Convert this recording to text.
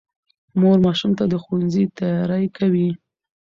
مور ماشوم ته د ښوونځي تیاری کوي